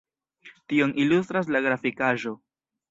Tion ilustras la grafikaĵo.